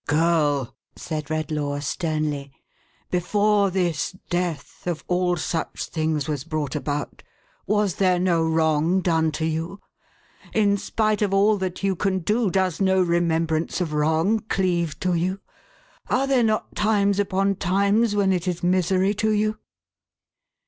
"Girl!" said Redlaw, sternly, "before this death, of all such things, was brought about, was there no wrong done to you ? In spite of all that you can do, does no remembrance of wrong cleave to you? Are there not times upon times when it is misery to you